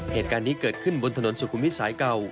เหตุการณ์นี้เกิดขึ้นบนถนนสุขุมวิทสายเก่า